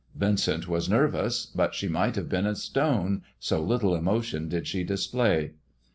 Vincent was nervous, but she might have been of stone, so little emotion did she display.